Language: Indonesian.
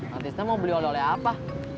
nanti saya mau beli oleh oleh apa